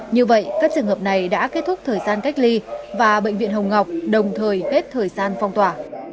như vậy các trường hợp này đã kết thúc thời gian cách ly và bệnh viện hồng ngọc đồng thời hết thời gian phong tỏa